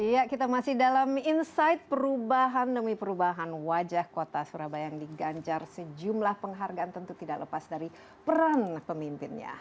ya kita masih dalam insight perubahan demi perubahan wajah kota surabaya yang diganjar sejumlah penghargaan tentu tidak lepas dari peran pemimpinnya